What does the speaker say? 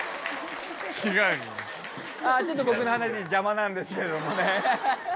ちょっと僕の話に邪魔なんですけれどもね。